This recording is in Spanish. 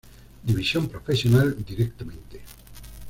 División profesional directamente.